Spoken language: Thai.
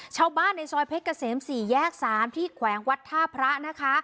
ชาวบ้านในซอยเพชรเกษม๔แยก๓ที่แขวงวัดท่าพระนะคะ